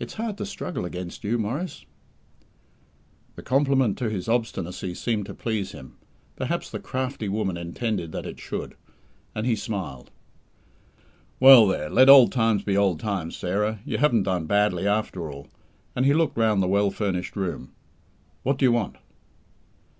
It's hard to struggle against you, Maurice." The compliment to his obstinacy seemed to please him perhaps the crafty woman intended that it should and he smiled. "Well, there; let old times be old times, Sarah. You haven't done badly, after all," and he looked round the well furnished room. "What do you want?"